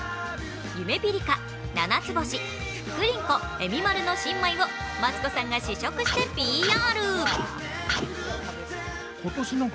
ゆめぴりか、ななつぼし、ふっくりんこ、えみまるの新米をマツコさんが試食してＰＲ。